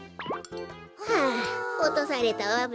あおとされたわべ。